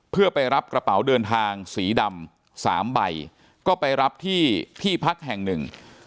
เพื่อไปรับกระเป๋าเดินทางสีดำสามใบก็ไปรับที่ที่พักแห่งหนึ่ง